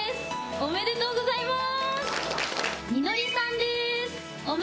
おめでとうございます！